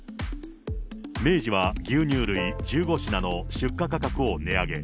明治は牛乳類１５品の出荷価格を値上げ。